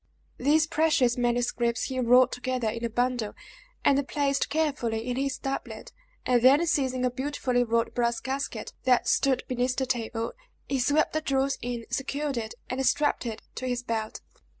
These precious manuscripts he rolled together in a bundle, and placed carefully in his doublet, and then seizing a beautifully wrought brass casket, that stood beneath the table, he swept the jewels in, secured it, and strapped it to his belt.